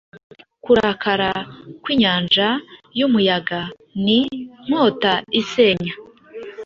kurakara kw'inyanja y'umuyaga, n'inkota isenya,